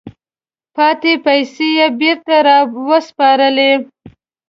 پاتې پیسې یې بیرته را وسپارلې.